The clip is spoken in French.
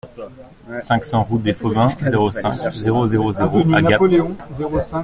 cinquante-cinq route des Fauvins, zéro cinq, zéro zéro zéro à Gap